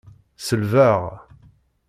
Selbeɣ.